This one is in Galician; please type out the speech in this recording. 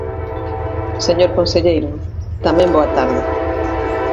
Señor conselleiro, tamén boa tarde.